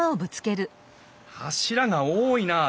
柱が多いなあ